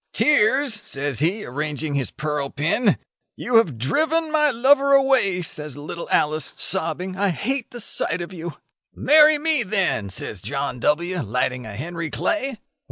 tears?' says he, arranging his pearl pin. 'You have driven my lover away,' says little Alice, sobbing: 'I hate the sight of you.' 'Marry me, then,' says John W., lighting a Henry Clay.